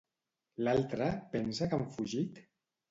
L'altre pensa que han fugit?